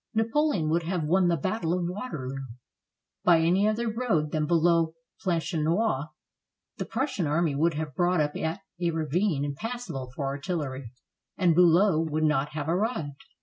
Napoleon would have won the battle of Waterloo. By any other road than below Planchenoit, the Prussian army would have brought up at a ravine impassable for artillery, and Btilow would not have arrived.